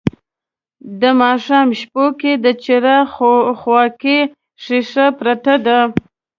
د ماښام شپو کې د څراغ خواکې شیشه پرته ده